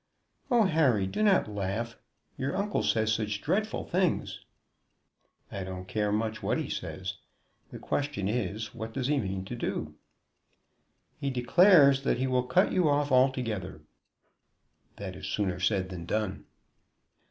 '" "Oh Harry do not laugh. Your uncle says such dreadful things!" "I don't care much what he says. The question is what does he mean to do?" "He declares that he will cut you off altogether." "That is sooner said than done."